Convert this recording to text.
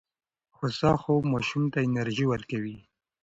هوسا خوب ماشوم ته انرژي ورکوي.